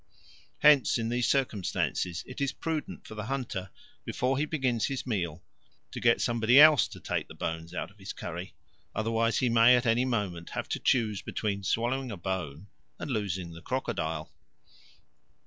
Hence in these circumstances it is prudent for the hunter, before he begins his meal, to get somebody else to take the bones out of his curry, otherwise he may at any moment have to choose between swallowing a bone and losing the crocodile.